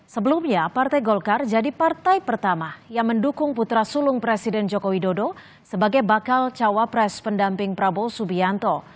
sebelumnya partai golkar jadi partai pertama yang mendukung putra sulung presiden joko widodo sebagai bakal cawapres pendamping prabowo subianto